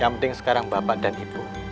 yang penting sekarang bapak dan ibu